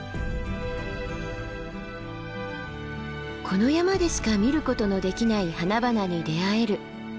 この山でしか見ることのできない花々に出会える早池峰山です。